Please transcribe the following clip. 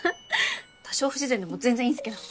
多少不自然でも全然いいんすけど。